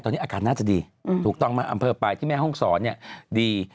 ตอนนี้อากาศน่าจะดีถูกต้องไหมอำเภอปลายที่แม่ห้องศรเนี่ยดี